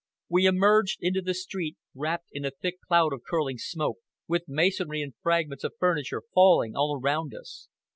We emerged into the street, wrapped in a thick cloud of curling smoke, with masonry and fragments of furniture falling all around us.